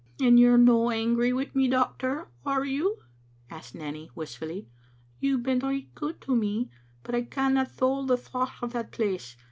"And you're no angry wi' me, doctor, are you?" asked Nanny wistfully. "You've been richt good to me, but I canna thole the thocht o' that place.